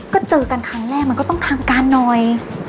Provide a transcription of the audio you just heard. ก็เจอกันครั้งแรกมันก็ต้องทางการหน่อย